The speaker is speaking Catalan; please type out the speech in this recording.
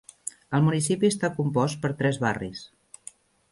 El municipi està compost per tres barris.